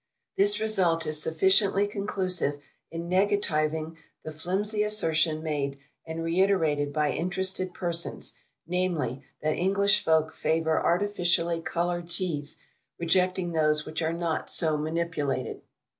This result is sufficiently conclusive in negativing the flimsy assertion made and reiterated by interested persons, namely, that English folk favour artificially coloured Teas, rejecting those which are not so manipulated.